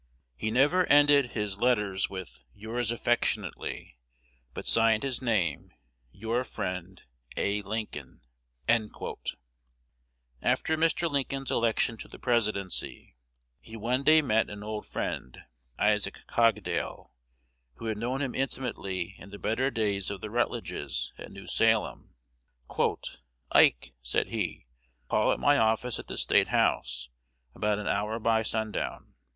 He never ended his letters with 'Yours affectionately,' but signed his name, 'Your friend, A. Lincoln.'" After Mr. Lincoln's election to the Presidency, he one day met an old friend, Isaac Cogdale, who had known him intimately in the better days of the Rutledges at New Salem. "Ike," said he, "call at my office at the State House about an hour by sundown.